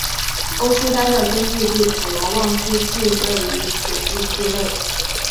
欧舒丹的根据地普罗旺斯即位于此地区内。